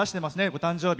お誕生日。